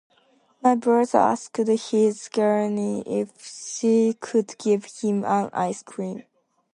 My brother asked his granny if she could give him an ice cream.